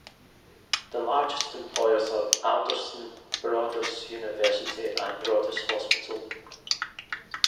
The largest employers are Alderson Broaddus University and Broaddus Hospital.